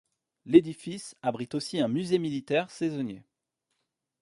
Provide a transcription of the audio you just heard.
L'édifice abrite aussi un musée militaire saisonnier.